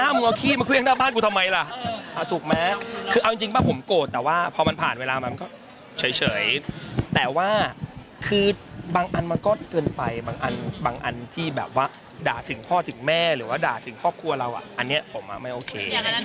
มึงเอาขี้มาเครื่องหน้าบ้านกูทำไมล่ะถูกไหมคือเอาจริงป่ะผมโกรธแต่ว่าพอมันผ่านเวลามามันก็เฉยแต่ว่าคือบางอันมันก็เกินไปบางอันบางอันที่แบบว่าด่าถึงพ่อถึงแม่หรือว่าด่าถึงครอบครัวเราอ่ะอันนี้ผมไม่โอเค